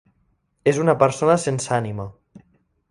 És una persona sense ànima.